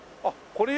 これ。